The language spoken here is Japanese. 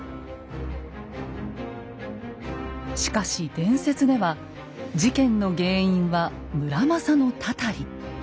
しかし伝説では事件の原因は村正の祟り。